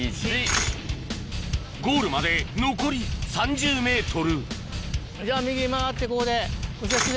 ゴールまで残り３０ｍじゃあ右曲がってここでお先です。